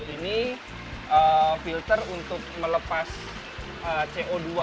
ini filter untuk melepas co dua